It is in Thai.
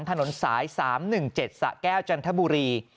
ถนนสาย๓๑๗สะแก้วจันทบุรี